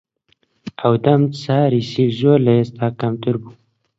ئەو دەم چارەی سیل زۆر لە ئێستا کەمتر بوو